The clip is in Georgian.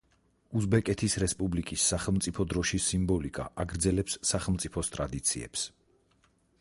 უზბეკეთის რესპუბლიკის სახელმწიფო დროშის სიმბოლიკა აგრძელებს სახელმწიფოს ტრადიციებს.